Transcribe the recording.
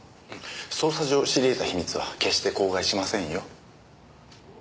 捜査上知りえた秘密は決して口外しませんよ。